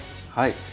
はい。